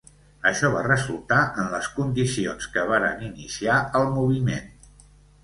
Això va resultar en les condicions que varen iniciar el moviment.